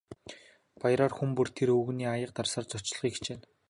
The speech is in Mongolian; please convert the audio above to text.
Баяраар хүн бүр тэр өвгөнийг аяга дарсаар зочлохыг хичээнэ.